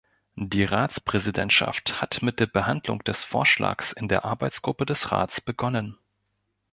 Die Ratspräsidentschaft hat mit der Behandlung des Vorschlags in der Arbeitsgruppe des Rats begonnen.